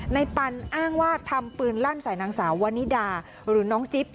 ปันอ้างว่าทำปืนลั่นใส่นางสาววันนิดาหรือน้องจิ๊บ